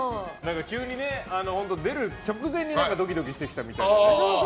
急に、出る直前にドキドキしてきたみたいだね。